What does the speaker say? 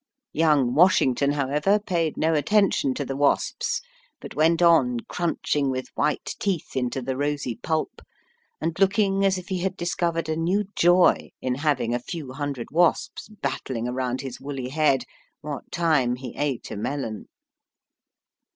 Young Washington, however, paid no atten tion to the wasps, but went on crounching with white teeth into the rosy pulp, and look ing as if he had discovered a new joy in having a few hundred wasps battling around his woolly head, what time he ate a melon.